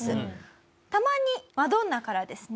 たまにマドンナからですね